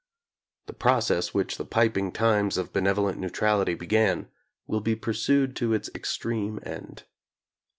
The process which the piping times of be nevolent neutrality began will be pursued to its extreme end.